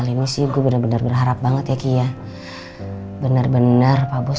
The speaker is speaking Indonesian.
itu sebenarnya bros